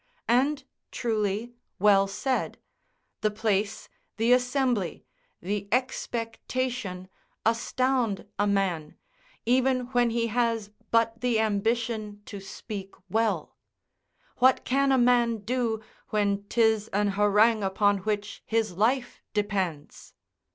And, truly, well said; the place, the assembly, the expectation, astound a man, even when he has but the ambition to speak well; what can a man do when 'tis an harangue upon which his life depends?